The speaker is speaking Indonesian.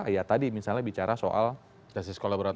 ya tadi misalnya bicara soal jahat sekolah laborator